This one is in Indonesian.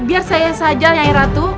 biar saya saja nyanyi ratu